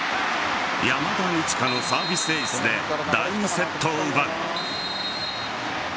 山田二千華のサービスエースで第２セットを奪う。